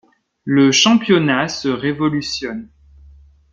Le championnat se révolutionne.